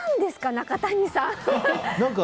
中谷さん。